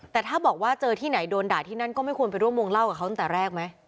แต่ถ้าบอกว่าเจอที่ไหนโดนด่าที่นั่นก็ไม่ควรไปร่วมวงเล่ากับเขาตั้งแต่แรกไหม